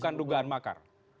bukan dugaan makar